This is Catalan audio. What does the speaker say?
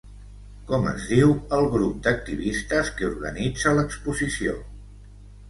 Com es diu el grup d'activistes que organitza l'exposició?